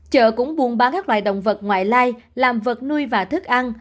chợ cũng buôn bán các loài động vật ngoại lai làm vật nuôi và thức ăn